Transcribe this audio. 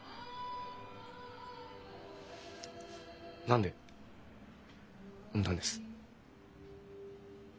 何で産んだんです？